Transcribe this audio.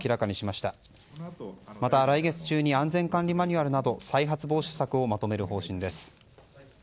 また来月中に安全管理マニュアルなど再発防止策をまとめる方針です。